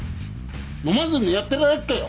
飲まずにやってられっかよ。